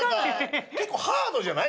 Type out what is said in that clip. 結構ハードじゃない？